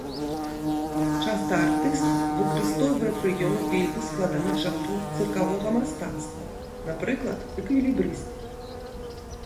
Часта артыст выкарыстоўвае прыёмы вельмі складаных жанраў цыркавога мастацтва, напрыклад, эквілібрыстыкі.